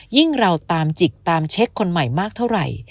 เราตามจิกตามเช็คคนใหม่มากเท่าไหร่